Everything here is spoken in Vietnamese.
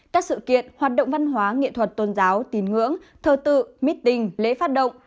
các sự kiện hoạt động văn hóa nghệ thuật tôn giáo tín ngưỡng thờ tự meeting lễ phát động